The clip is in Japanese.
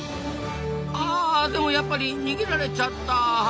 あでもやっぱり逃げられちゃった。